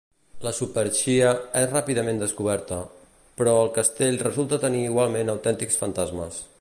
La superxeria és ràpidament descoberta, però el castell resulta tenir igualment autèntics fantasmes.